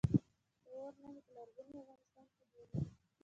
د اور نښې په لرغوني افغانستان کې ډیرې دي